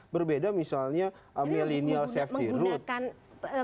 berbeda misalnya millennial safety road